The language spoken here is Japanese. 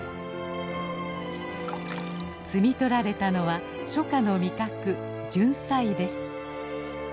摘み取られたのは初夏の味覚「ジュンサイ」です。